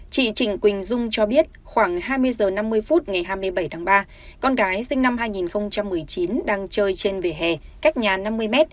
chị trịnh quỳnh dung cho biết khoảng hai mươi h năm mươi phút ngày hai mươi bảy tháng ba con gái sinh năm hai nghìn một mươi chín đang chơi trên vỉa hè cách nhà năm mươi m